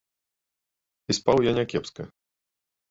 І спаў я някепска.